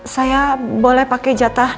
saya boleh pake jatah